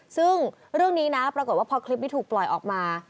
ซึ่งเรื่องนี้นะปรากฏว่าพอคลิปนี้ถูกปล่อยออกมา